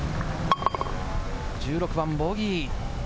１６番ボギー。